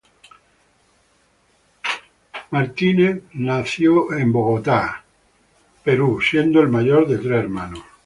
Kimmel nació en Brooklyn, Nueva York, siendo el mayor de tres hermanos.